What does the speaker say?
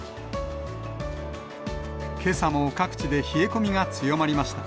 けさも各地で冷え込みが強まりました。